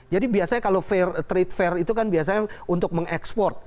jadi biasanya kalau trade fair itu kan biasanya untuk mengeksport